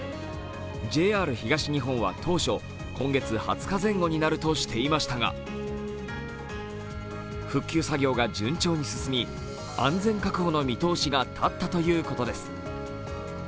ＪＲ東日本は当初、今月２０日前後になるとしていましたが復旧作業が順調に進み、安全確保の見通しが立ったということです。